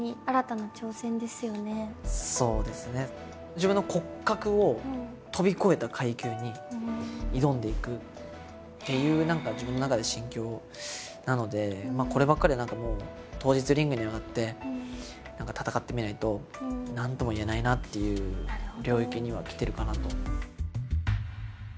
自分の骨格を飛び越えた階級に挑んでいくっていう自分の中で心境なのでこればっかりは何かもう当日リングに上がって戦ってみないと何とも言えないなっていう領域にはきてるかなと。